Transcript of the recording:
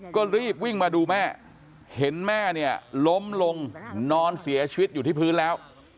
ก็รีบวิ่งมาดูแม่เห็นแม่เนี่ยล้มลงนอนเสียชีวิตอยู่ที่พื้นแล้ว